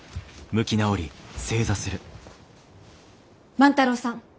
万太郎さん